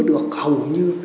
nhớ được hầu như